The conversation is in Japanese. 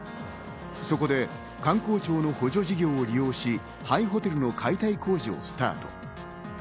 そこで観光庁の補助事業を利用し、廃ホテルの解体工事をスタート。